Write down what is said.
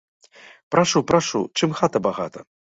Прашу, прашу, чым хата багата.